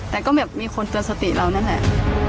แต่ก็แบบมีคนเตือนสติเรานั่นแหละ